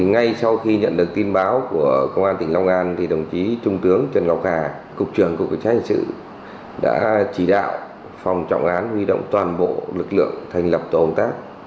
ngay sau khi nhận được tin báo của công an tỉnh long an đồng chí trung tướng trần ngọc hà cục trưởng cục cảnh sát hình sự đã chỉ đạo phòng trọng án huy động toàn bộ lực lượng thành lập tổ công tác